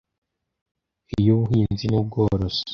iy’Ubuhinzi n’Ubworozi